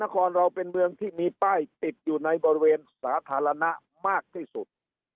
ครเราเป็นเมืองที่มีป้ายติดอยู่ในบริเวณสาธารณะมากที่สุด